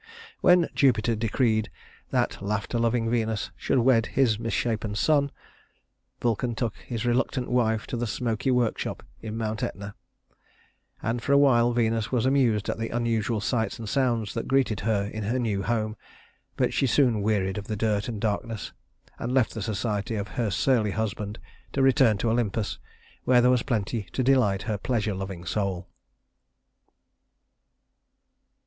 When Jupiter decreed that laughter loving Venus should wed his misshapen son, Vulcan took his reluctant wife to the smoky workshop in Mount Etna, and for a while Venus was amused at the unusual sights and sounds that greeted her in her new home; but she soon wearied of the dirt and darkness, and left the society of her surly husband to return to Olympus, where there was plenty to delight her pleasure loving soul.